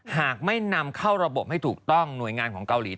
หากไม่นำเข้าระบบให้ถูกต้องหน่วยงานของเกาหลี